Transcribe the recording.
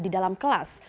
di dalam kelas